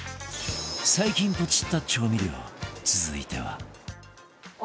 最近ポチった調味料続いては